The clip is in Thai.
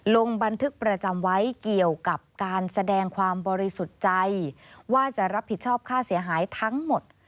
ลงบันทึกประจำไว้เกี่ยวกับการแสดงความบริสุทธิ์ใจว่าจะรับผิดชอบค่าเสียหายทั้งหมด